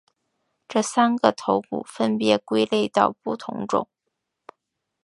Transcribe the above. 这三个头骨分别归类到不同种。